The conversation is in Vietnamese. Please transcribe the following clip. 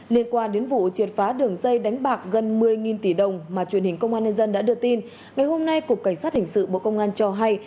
liên quan đến vụ triệt phá đường dây đánh bạc gần một mươi tỷ đồng mà truyền hình công an nhân dân đã đưa tin ngày hôm nay cục cảnh sát hình sự bộ công an cho hay